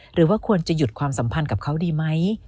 หรือว่าควรจะหยุดความสัมพันธ์กับเขาดีไหม